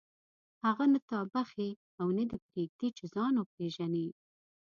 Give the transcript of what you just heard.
هغه نه تا بخښي او نه دې پرېږدي چې ځان وپېژنې.